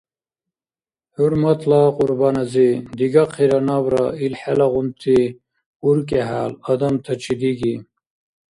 ХӀурматла Кьурбан-ази, дигахъира набра ил хӀелагъунти уркӀи-хӀял, адамтачи диги.